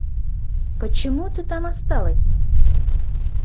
Почему ты там осталась?